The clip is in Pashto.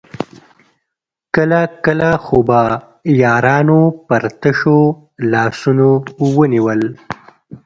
کله کله خو به يارانو پر تشو لاسونو ونيول.